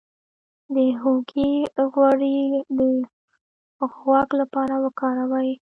د هوږې غوړي د غوږ لپاره وکاروئ